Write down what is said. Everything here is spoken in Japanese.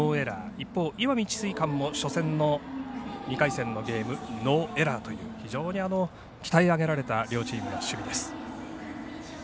一方、石見智翠館も初戦の２回戦のゲームノーエラーという非常に鍛え上げられた両チームの守備です。